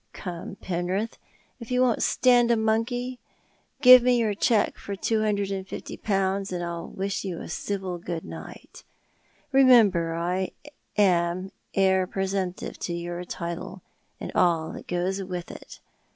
Come, Penrith, if yon won't stand a monkey, give me your cheque for two hundred and fifty pound, and I'll wish you a civil good night. Remember, after all, I am heir presumptive to your title, and all that goes with it.